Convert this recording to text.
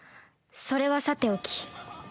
それはさておき